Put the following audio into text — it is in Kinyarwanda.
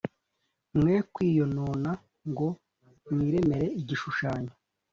mwe kwiyonona ngo mwiremere igishushanyo